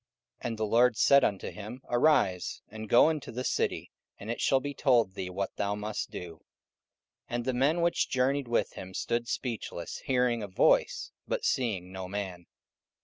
And the Lord said unto him, Arise, and go into the city, and it shall be told thee what thou must do. 44:009:007 And the men which journeyed with him stood speechless, hearing a voice, but seeing no man.